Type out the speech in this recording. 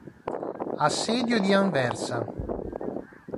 Assedio di Anversa